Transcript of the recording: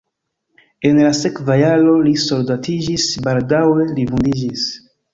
En la sekva jaro li soldatiĝis, baldaŭe li vundiĝis.